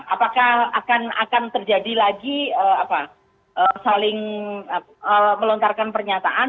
apakah akan terjadi lagi saling melontarkan pernyataan